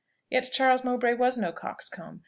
Yet Charles Mowbray was no coxcomb.